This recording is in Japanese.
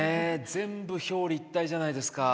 全部表裏一体じゃないですか。